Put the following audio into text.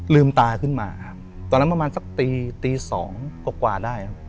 ลืมตาขึ้นมาครับตอนนั้นประมาณสักตีตีสองกว่าได้ครับ